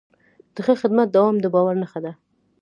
د ښه خدمت دوام د باور نښه ده.